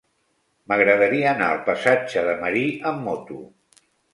M'agradaria anar al passatge de Marí amb moto.